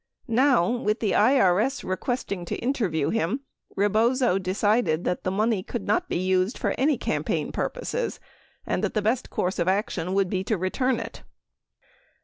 Now, with the IRS requesting to interview him, Rebozo decided that the money could not be used for any campaign purposes and that the best course of action would be to return it.